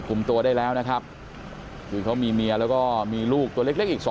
ตัวได้แล้วนะครับคือเขามีเมียแล้วก็มีลูกตัวเล็กอีก๒